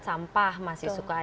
sampah masih suka ada berubah